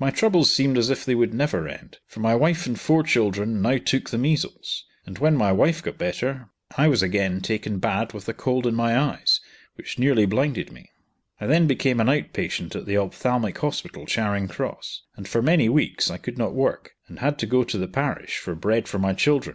My troubles seemed as if they would never end, for my wife and four children now took the measles, and when my wife got better, I was again taken bad with a cold in my eyes, which nearly blinded me. I then became an outpatient at the Ophthalmic Hospital, Charing Cross; and for many weeks I could not work, and had to go to the parish for bread for my children.